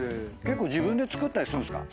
自分で作ったりするんですか？